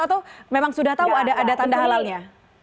atau memang sudah tahu ada tanda halalnya